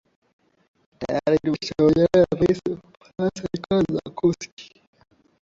tayari ameshakutana na rais wa ufaransa nicholas sarkozy